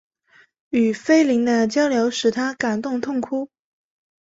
与斐琳的交流使他感动痛哭。